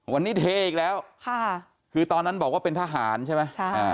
วันนี้เทอีกแล้วค่ะคือตอนนั้นบอกว่าเป็นทหารใช่ไหม